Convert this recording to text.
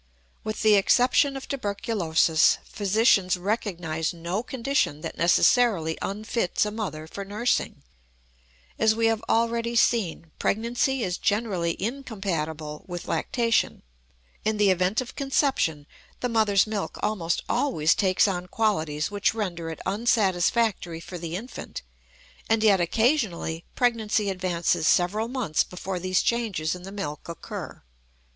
With the exception of tuberculosis, physicians recognize no condition that necessarily unfits a mother for nursing. As we have already seen, pregnancy is generally incompatible with lactation; in the event of conception the mother's milk almost always takes on qualities which render it unsatisfactory for the infant, and yet occasionally pregnancy advances several months before these changes in the milk occur.